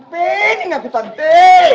peh ini ngaku tante